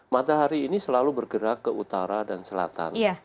matahari ini selalu bergerak ke utara dan selatan